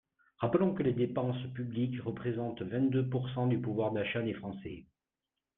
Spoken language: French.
Rappelons que les dépenses publiques représentent vingt-deux pourcent du pouvoir d’achat des Français.